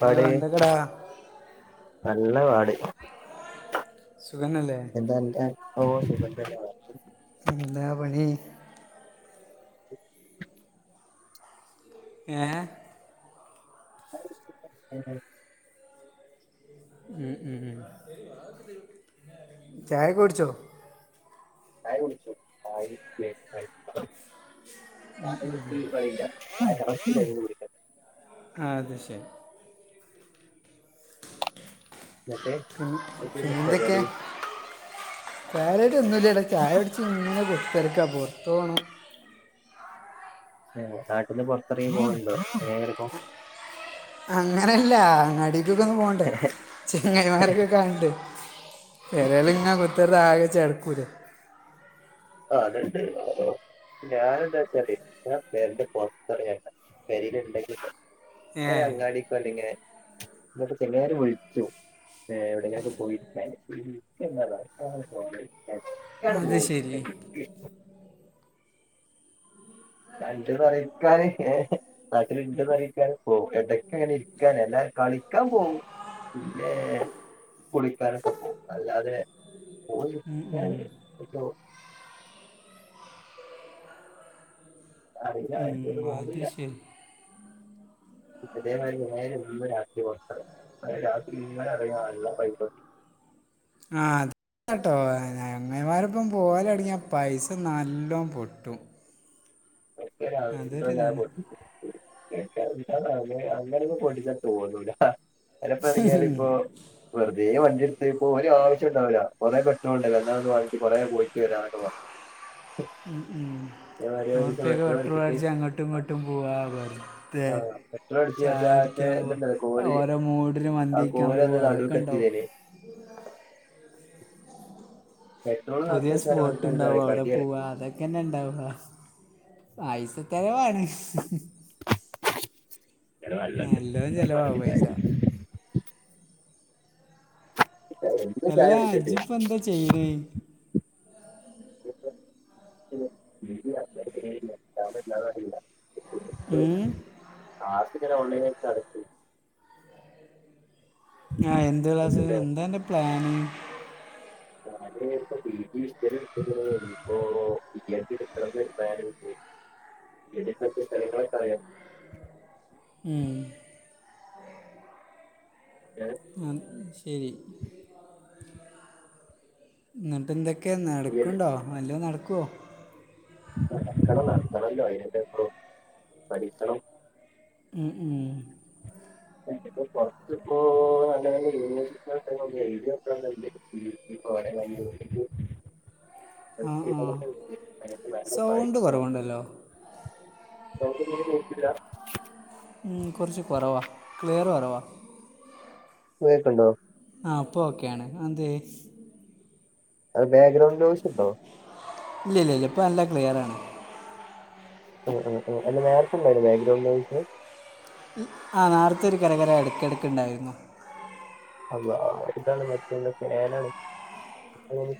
Hello എന്തക്കടാ നല്ല പാട് സുഖന്നല്ലേ? [unintelligible] എന്താ പണി ഏഹ ഉ ഉ ഉ ചായ ഒക്കെ കുടിച്ചോ [inaudible] [unintelligible] അ അത് ശരി എന്നിട്ട് എന്തൊക്കെ ഇന്നത്തെ ന്തൊക്കെ? പരിപാടി കാ [unintelligible] ഒന്നുമല്ലട ചായകുടി പ ഇങ്ങനെ കുത്തിരിക്കാ പുറത്ത് പോണം നാട്ടിന് പുറത്തിറങ്ങി പോകണ്ടോ എങ്ങരപ്പ അങ്ങനല്ല അങ്ങാടിക്കൊക്കെ ഒന്ന് പോകണ്ടേ ചെങ്ങൈമാരൊക്കെ കാണണ്ടെ പ്പേരെല് ങ്ങനെ കുതിർന്ന് ആകെ ചടപ്പ് രും ആഹ് രണ്ട് [inaudible] ഞാനൻ ന്താ വെച്ചാല് ഞാൻ പെരേന്റെ [unintelligible] [unintelligible] അ ഏ അങ്ങാടക്ക അല്ല ഇങ്ങനെ എന്നട്ട [unintelligible] വിളിച്ചും. എവിടെങ്കിലൊക്കെ പോയിരിക്ക [unintelligible] അണ് അത് പോവും ശരി എടക്ക് കണ്ട്ന്നറയും ഇക്കാന് ഏഹ് നാട്ടിൽ ഇണ്ട് ന്നറിയിക്കാൻ പോവും എടക്ക് ഇങ്ങനെ ഇരിക്കാൻ എല്ലാതെ കളിക്കാൻ പോവും പിന്നെ കുളിക്കാനൊക്കെ പോം അല്ലാതെ [unintelligible] അറിയില്ല ആരിക്കും ഉം ഇന്ന് അത് നോമ്പില്ല. ശരി അതേമാതിരി നേരെന്നും രാത്രി പൊറത്താണ് രാത്രി ഇങ്ങനെ അറി [unintelligible] പൈസകിട്ടും ആഹ്. കേട്ടോ അങ്ങമാരപ്പം പോലൊടങ്ങിയി പൈസ നല്ലോ പൊട്ടും. [inaudible] [inaudible] അതൊരിതാണ് അങ്ങനൊന്നുറ പൊഠിച്ചാ തോന്നൂല [inaudible] ഇപ്പോ വെറുതേ വണ്ടിയെട്ത്ത് ഇപ്പോ ഒരാവശ്യം ഉണ്ടാവൂല. കുറെ പെട്രോള്ണ്ട എന്നാ ഒന്ന് പോയിട്ട വരാനൊക്കെ പറയും. മ് മ് ഇതേമാതിരി ഒരു ദിവസം നൂർപ്യക്ക് പെട്രോൾ അടിച്ചിട്ട് പെട്രോളടിച്ച് അങ്ങോട്ടും ഇങ്ങോട്ടും പോവാ പറിം മേ ആഹ് പെട്രോൾ അടിച്ച് ചാച്ച മറ്റേ ചായുടിക്കാൻ പോവാ. ഇതുണ്ടല്ലോ കോല് ഓരോ മൂഡിലും ആ മന്തിക്കാൻ കോല് പോവ ഒന്ന് അതൊക്കെ നടുക്ക് ണ്ടാവും. എത്തിയതേന് പെട്രോള് പുതിയ നിറച്ച് വെച്ചാല് ഓന്ക്ക് എന്താണ് സ്പോട്ട്ണ്ടാവും അവടെ കടിയാണ് പൂവാ അതൊ ഇക്കന്ന ഇണ്ടാവ പൈസത്തേവാണ് നല്ലോണം ചിലവാകും പൈസ [inaudible] എന്ന് ചായ അല്ല കുടിച്ചിട്ട് ഇജ്ജിപ്പം എന്താ ചെയ്യണേ [inaudible] അറിയില്ല മ് ടാസ്ക്ക് ഇങ്ങനെ ഓൺലൈനി നിക്കാണ് ആഹ് എന്ത് ക്ലാസ് എന്നിട്ടോ എന്താന്റെ പ്ലാന് ഞാന് ഇപ്പോ പി ജി ഹിസ്റ്ററി എടുത്തു. ഇപ്പോ ബി എഡ് എടുക്കണം എന്നൊരു പ്ലാൻ ഇതിൽ പെട്ട സ്ഥലങ്ങളെക്കറിയാം മ്മ് ഏഹ് ആഹ് ശരി ന്ന്ട്ട്എന്തേ ക്കെ ബി എഡ് നടക്കുണ്ടോ വല്ലോം നടക്കോ നടക്കണം നടത്തണല്ലോ അയ്നിപ്പോ ഇപ്പം പഠിക്കണം മ് മ് [inaudible] കൊറച്ചിപ്പോ ഇപ്പോ നല്ല നല്ല യൂണിവേഴ്സിറ്റി [unintelligible] ആഹ് ആഹ് നല്ല സൗണ്ട് പഠിക്കണം കുറവുണ്ടല്ലോ. സൗണ്ട് തീരെ കേക്കില്ല. മ് കൊറച്ച് കൊറവാ ക്ലിയർ കൊറവാ ഇപ്പ കേക്ക്ണ്ടോ ആഹ് ഇപ്പോ ഓക്കെയാണ് അതെന്തേ. അത് മ്പേഗ്രൗണ്ട് വോയ്സ് ഇണ്ടോ ഇല്ല ഇല്ല ഇല്ല ഇപ്പ നല്ല ക്ലിയറാണ് ആഹ് ആഹ് ആഹ് അല്ല നേരത്തണ്ടായിരുന്നോ ബാക്ക്ഗ്രൗണ്ട് നോയിസ്. ആഹ് നേർത്തെ ഒരു കരകര എടക്ക് എടക്ക് ണ്ടായിരുന്നു [unintelligible] മറ്റേ ഫേനാണ്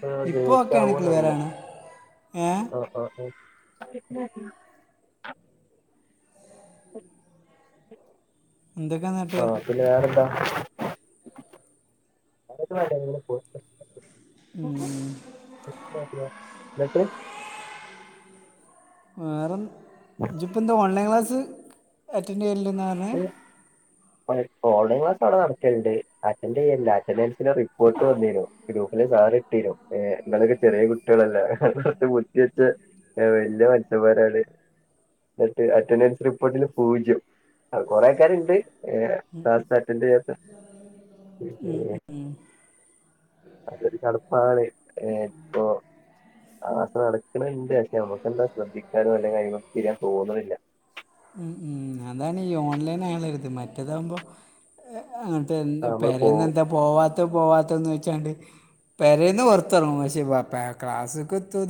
ആഹ് ഇപ്പോൾ ഓക്കെയാണ് ക്ലിയർ ലെയ്റ്റാവോന്നറില്ല ആണ് ഏ ആഹ് ആഹ് ആഹ് [inaudible] എന്തക്കേ ന്ന്ട്ട് ആഹ് പിന്നെ വേറെന്താ [unintelligible] മം [unintelligible] വേറെ ഇജിപ്പോം എന്താ ഓൺലൈൻ ക്ലാസ്സ് അറ്റൻഡ് ചെയ്ല ണ്ട് ന്നാണോ പറഞ്ഞെ [unintelligible] ഓൺലൈൻ ക്ലാസ് ആടെ നടക്കണ്ട് അറ്റൻ്റ് ചെയ്യണ്ട അറ്റൻഡൻസിന് റിപ്പോർട്ട് വന്നേനു ഗ്രൂപ്പില് സാർ ഇട്ടീന്യു ഏഹ് നിങ്ങളൊക്കെ ചെറിയ കുട്ടികളല്ല കുറച്ച് [unintelligible] വെച്ച് ഏ വല്യ മത്സ്യന്മാരാണ് എന്നിട്ട് അറ്റൻഡൻസ് റിപ്പോർട്ടന് പൂജ്യം അ കൊറെക്കാര്ണ്ട് ഏ സാ [unintelligible] അറ്റൻ്റ് ചെയ്യാത്ത [unintelligible] അതൊരു ചടുപ്പാണ് ഇപ്പൊ [unintelligible] ഡാണ്ട് ക്ഷേ നമുക്ക്ന്താ ശ്രദ്ധിക്കാനും അല്ലെങ്ക അഴിമക്ക് തിരിയാനും തോന്ന്ണ്ല്ല ഉമ് ഉമ് അതാണ് ഈ ഓൺലൈൻ അയാൾ രുത് മറ്റതാവ മ്പോ [unintelligible] നമ്മള് പേരെന്ന പോവും എന്താ പോവാത്ത പോവാത്തന്ന് വെച്ചാണ്ട് പേരെന്ന് പൊറത്തിർങ്ങും പക്ഷെ [unintelligible] ക്ലസ്ക്ക ത്തു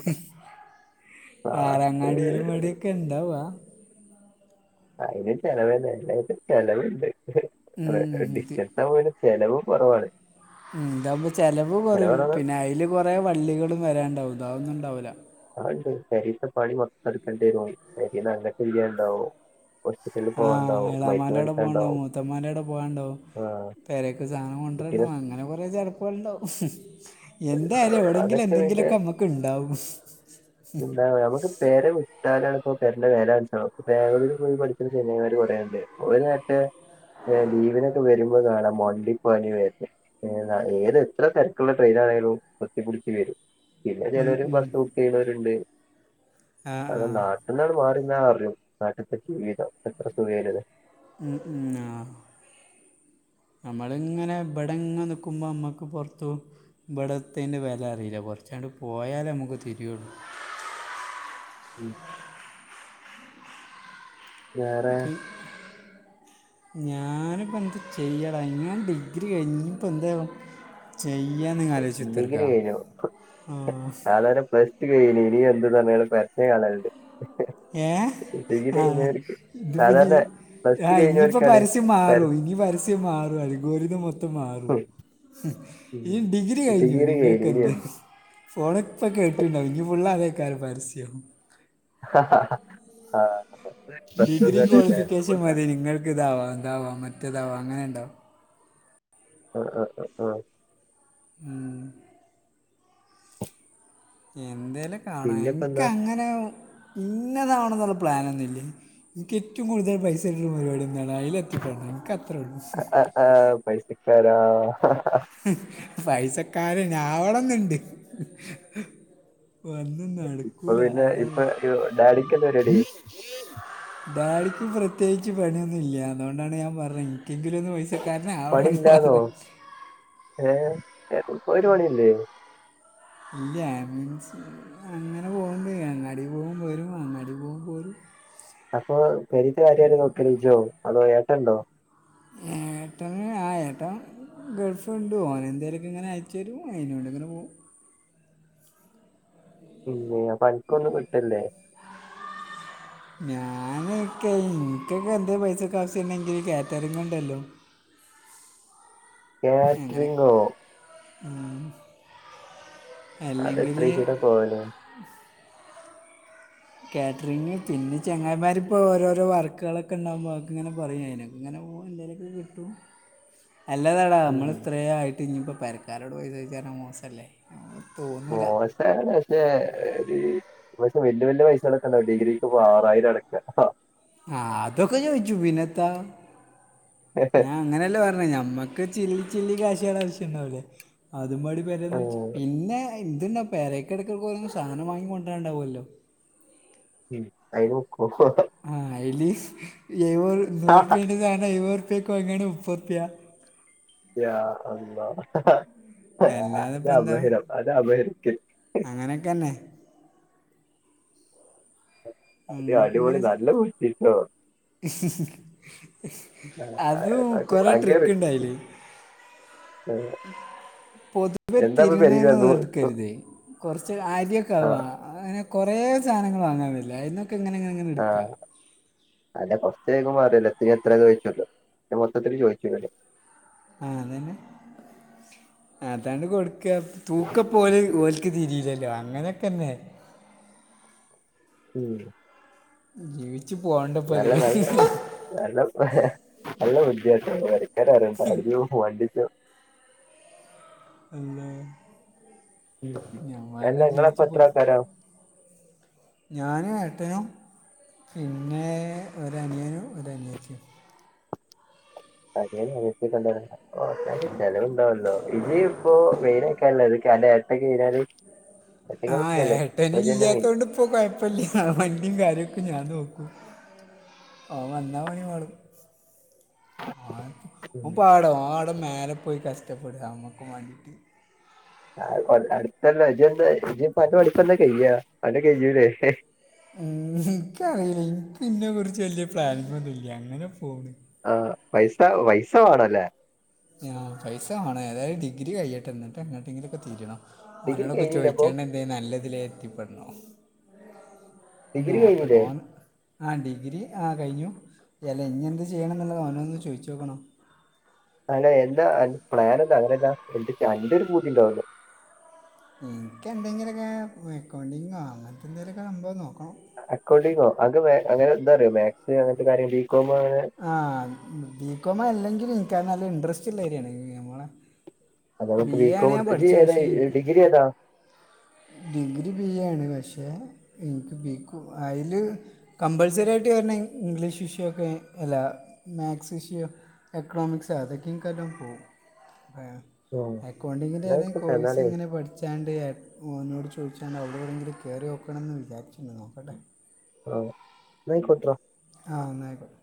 [unintelligible] പാറങ്ങാടിൽ ക്ലാസ് മടൊക്കെ ഉണ്ടവാ അയിന് ചെലവന്ന [unintelligible] ചെലവുണ്ട് ഉം [unintelligible] ഡിസ്റ്റൻസ ആ വൊ ചെലവ് കുറവാണ് ഉമ് ഇതാപ്പ ചെലവ് കുറയും പിന്നെ അയില് കൊറെ വള്ളികളും വരാണ്ടാവും അതൊന്നും ഇണ്ടാവല ആണ്ട് പേരീത്തെ പണി മൊത്തം എടുക്കേണ്ടിരും പേരീന്ന് അങ്ങനത്തെ ഇല്യാ ഉണ്ടാവോ ആഹ് എളാമാന്റോടെ പോവണ്ടാവും മേടിക്കാണ്ടാവും മൂത്തന്മാന്റോടെ പോവണ്ടാവും ആ പരൊക്കെ സാധനം കൊണ്ടരണ്ട കുട്ടീനെ സ്- അങ്ങനെ കൊറെ ചെ [unintelligible] ണ്ടാവ എന്തായാലും എവിടെങ്കിലും അതൊക്കെ പിന്നെ എന്തെങ്കിലുക്കെ നമ്മക്ക് ഇണ്ടാവും പേരെ വിട്ടാലാണ് ഇപ്പോ പേരുന്റെ വില മനസിലാവ ഇപ്പൊ ബാംഗലൂര് പോയി പഠിച്ച്ണേ ച്ചെങ്ങയിമാര് കൊറെണ്ട് ഒരു മറ്റേ ഏ ലീവിനൊക്കെ വരുമ്പോ കാണാം മണ്ടിപ്പാഞ്ഞ് വര് ഏത് എത്ര തിരക്കുള്ള [unintelligible] പിന്നെ ഉം ചെലര് ഉം. ബസ് ബുക്ക് ചെയ്യുന്നവരുണ്ട് ആ അത് ആ നാ എന്താണ് മാറിന്ന അറിയു നാട്ടത്തെ ജീവിതം എത്ര സുഖനുന്ന് ഉം ഉം ആഹ് നമ്മളിങ്ങനെ ബടെ ഇങ്ങങ് നിൽക്കുമ്പോൾ നമ്മുക്ക് പുറത്തു ഇവിടത്തിന്റെ വില അറിയില്ല കുറച്ചാണ്ട് പോയാലേ നമുക്ക് തിരിയുള്ളൂ [inaudible] വേറെ [inaudible] ഞാനിപ്പ എന്ത് ചെയ്യടാ ഞാൻ ഡിഗ്രി കഴിഞ്ഞപ്പ എന്ത ചെയ്യാ ന്ന് ആലോചിത്തർക്ക ആ [unintelligible] കഴനി നി ഇനി എന്തെന്ന് പറഞ്ഞ പരസ്യം കാണലുണ്ട് [unintelligible] ഏഹ് ഡിഗ്രി ആഹ് കഴിഞ്ഞവർക്ക് ഇത് പ്പ ഞ്ഞി സാധാരണ പ്ലസ് ടു ആഹ് ഇനിയിപ്പോ കഴിഞ്ഞവർക്കാണ് പരസ്യം മാറും പരസ്യം ഇനി പരസ്യം മാറും അല്ല ഗോറിത മൊത്തം മാറും ഉം. ഈ ഡിഗ്രി കഴിഞ്ഞു ഡിഗ്രി കഴിഞ്ഞു നിങ്ങൾക്ക് ഇനി ത് എന്ത് ഫോൺ ഇപ്പൊ കേട്ടിണ്ടവും ഇനി ഫുള്ള് അതേക്കാം പരസ്യം ആഹ് ഡിഗ്രി ക്വാളിഫിക്കേഷൻ മതി നിങ്ങൾക്ക് ഇതാവാ ഇതാവാ മറ്റേതാവാ അങ്ങനെ ഉണ്ടോ [unintelligible] ഉമ് എന്തേലും കാണ്ണാ പിന്നെപ്പോ എനിക്ക് എന്താ അങ്ങനെ ഇന്നതാണെന്നുള്ള പ്ലാനൊന്നു നിക്ക് ഏറ്റവും കൂടുതൽ പൈസ ട്ടുന്ന പരിപാടി എന്താണ് അതിൽ ത്തിപ്പടണ്ണം എനിക്ക് അത്രേയുള്ളൂ ആഹ് പൈസക്കാര പൈസക്കാരനാ [unintelligible] വന്ന നാട് അപ്പൊ പിന്നെ ഇപ്പൊ ഡാഡിക്ക് എന്താ പരിവാടി ഭാര്യക്ക് പ്രത്യേകിച്ച് പണിയൊന്നു ഇല്ല അതുകൊണ്ടാണ് ഞാൻ പറഞ്ഞ ഇൻക്കെങ്കിലും ഒന്ന് പൈസ പണിയില്ലാന്നോ ഏ ഒരു ഒരു പണിയില്ലേ ഇല്ല ഐ മീൻസ് അങ്ങനെ പോക്ണ്ട് അങ്ങാടി പോകും വരും അങ്ങാടി പോകും പോരും അപ്പൊ പെരിത്തെ കാര്യം നോക്കല് ഇജോ അതോ ഏട്ടണ്ടോ ഏട്ടന് ആ ഏട്ടം ഗൾഫ്ണ്ട് ഓന് എന്തെങ്കിലും ക്കെങ്ങെനെ അയച് തരും. അയിനോട്ങ്ങനെ പോകും ഉം ഇല്ലേ പണിക്കൊന്നും വിട്ടില്ലേ ഞാനൊക്കെ ഇൻക്കൊക്കെ എന്ധെ പൈസക്കാവശ്യണ്ടെങ്കിൽ കാറ്ററിംഗ് ഉണ്ടല്ലോ കാറ്ററിംഗോ ഉം അത് എത്രചീട്ട പോവലേ കാറ്ററിങ് പിന്നെ ചങ്ങായിമാരിപ്പോ ഓരോരോ വർക്കുകളൊക്കെ ഉണ്ടാവുമ്പോൾ അതൊക്കെ ഇങ്ങനെ പറയും അയിനൊക്കെ ഇങ്ങനെ പോണ് നിനക്ക് കിട്ടു അല്ലാതാടാ ഉം നമ്മള് ഇത്രേ ആയിട്ട് ഇനിയിപ്പോ പെരക്കാരോട് പൈസ ചോയ്ക്ക ന്ന് പറഞ്ഞ മോസല്ലേ മോശാണ് പക്ഷേ പൈസ വല്യ വല്യ പൈസകളൊക്കെണ്ടാവും ഡിഗ്രിക്ക് ഇപ്പൊ ആറായിരം അടക്ക ആഹ് അതൊക്കെ ചോയ്ച്ചും. പിന്നെ ത്താ ഞാൻ അങ്ങനെല്ലേ പറഞ്ഞെ ഞമ്മക്ക് ചില്ലി ചില്ലി കാശുകൾ ആവശ്യണ്ടാവുലേ അത് മാടി പെരയൊന്നുവെച്ച് ഉം പിന്നെ എന്തുണ്ടാ പേരെക്കെട്ക്ക് ഓരോന്ന് സാധനം വാങ്ങി കൊണ്ടരണ്ടാവുല്ലോ ഉം അയിനോക്കോ [unintelligible] ആഹ് അയില് എഴുപത് നൂറ് ഉർപ്യെന്റെ സാനം എഴുപതു ഉർപ്യെക്ക് വാങ്ങാണെങ്കിൽ മുപ്പർപ്യ യാ അമ്മ അല്ലാതെ അത് അപഹരം അത് അപഹരിക്കും അങ്ങനെയൊക്കെന്നെ അതെയോ അങ്ങനൊക്കെ അടിപൊളി ഇങ്ങനെ നല്ല [unintelligible] അതും കൊറെ അനക്ക് ട്രിക്ക്ണ്ടയില് പൊതുവെ എന്താപ്പൊ പെരേല് [unintelligible] എടുക്കരുതേ. കുറച്ച് അരിയൊക്കെ വാ ആഹ് അങ്ങനെ കൊറെേ സാധനങ്ങള് വാങ്ങാറില്ലേ അയിന്നൊക്കെ എങ്ങനെയാണ് ആഹ് അല്ല [unintelligible] എത്രേ ചോദിച്ചല്ലോ മൊത്തത്തില് ചോദിച്ചല്ലേ ആഹ് അതന്നെ. അതാണ്ട് കൊടു ഒക്കെ തൂക്കപ്പോല് ഓൽക്ക് തിരില്ലല്ലോ. അങ്ങനെയൊക്കെന്നെ ഉം ജീവി ച്ച് പോണ്ട നല്ല നല്ല നല്ല നല്ല കുട്ട്യാട്ടോ പേരക്കാരറിയണ്ട പോവാണ്ടിച്ചും പിന്നെ ഉം എല്ലാ നിങ്ങളെപ്പത്ര പോണം ആൾക്കാര ഞാനും ഏട്ടനും പിന്നെ ഒരു അനിയനും ഒരു അനിയത്തി അനിയനും അനിയത്തി ഉണ്ടോ അവടെ ഓ അക്കാര്യം ചെലവുണ്ടാവോല്ലോ ഇജി ഇപ്പോ വെയിലായിക്കാരാല്ലോ ഇതോക്കൊ അന്റെ ഏട്ടന് ചെയ്താലും ആഹ് ഏട്ടന് മെയിൻ ഇല്ലാത്തോണ്ട് ഇപ്പോ കുഴപ്പല്ല വണ്ടി കാര്യൊക്കെ ഞാൻ നോക്കും ഓൻ വന്നാ പണി പാളും ആ ഓൻ പാടും ഓൻ അവുടെ മെലെ പോയി കഷ്ടപ്പെട നമ്മക്കും വേണ്ടിട്ട് അത് കൊള്ളാം അടുത്തല്ല ഇജ്ജ് എന്തായി ഇജ്ജ് ഇപ്പൊ അൻൻ്റെ പടിപ്പെന്ന കയ്യ അന്ടെ കയ്യൂലെ ഉം ഇൻക്കറിയില്ല ഇൻക്ക് ഇന്നെ കുറിച്ച് വല്യ പ്ലാനിങ്ങൊന്നുല്ല. അങ്ങനെ പോണ് ആഹ് പൈസ പൈസ വെണലെ ആഹ് പൈസ വേണം ഏതായാലും ഡിഗ്രി കയിയട്ടെ ന്നിട്ടഎങ്ങട്ടെങ്കിലക്കെ തിരിയണം ഡിഗ്രി ഓനോടൊക്കെ കഴിഞ്ഞില്ല അപ്പൊ ചോയിചാണ്ട് എന്ടെലും നല്ലതില് എത്തിപ്പെടണം ഡിഗ്രി കഴിഞ്ഞില്ലേ [unintelligible] ആഹ് ഡിഗ്രി ആഹ് കഴിഞ്ഞു അല്ല ഇനി എന്ത് ചെയ്യണം എന്നുള്ളത് ഓനോട് ചോദിച്ചു നോക്കണം അനെ എന്താ പ്ലാൻ എന്താ അങ്ങനെയന്താ എ എന്റെ ഒരു പൂതിണ്ടാവല്ലോ എനിക്ക് എന്തെങ്കിലുമൊക്കെ അക്കൗണ്ടിങ്ങോ അങ്ങനത്തെ എന്തേലുമൊക്കെ സംഭവം നോക്കണം അക്കൗണ്ടിങ്ങോ അക അങ്ങനെ എന്താറിയോ മാത്‍സ് അങ്ങനത്തെ കാര്യം ബികോം അങ്ങനെ ആഹ് ബികോം അല്ലെങ്കിൽ എനിക്കത് നല്ല ഇൻട്രസ്റ്റ് ഉള്ള എരിയാണ് നമ്മളെ അങ്ങനെ ബി എ ആണ് ബികോം ഞാൻ എടുത്ത് ഇജ്ജ് പഠിച്ച ഏതാ പക്ഷേ എനിക്ക് ഡിഗ്രി ഏതാ ഡിഗ്രി ബി എ ആണ് പക്ഷെ എനിക്ക് ബി കോം അതില് കമ്പൾസറി ആയിട്ട് വരണം ഇംഗ്ലീഷ് വിഷയമൊക്കെ എല്ലാ മാക്സ് ഇഷു എക്കണോമിക്സ് അതൊക്കെഇൻക്ക് നല്ലോം പോക്കും ഏ ഓ അക്കൗണ്ടിങ്ങിന്റെ ഏന്തങ്കിലും എന്നായിക്കോട്ടെ കോഴ്സ് എന്നാലേ ഇങ്ങനെ പഠി ച്ചാണ്ട് ഒന്നോട് ചോദിച്ചാണ്ട് അവടെവേടെങ്കിലും കയറിനോക്കണം എന്ന് വിചാരിച്ചിട്ടണ്ട് നോക്കട്ടെ ആഹ് ന്നായ്ക്കോട്ടെ ഡാ ആഹ് ന്നായിക്കോട്ടെ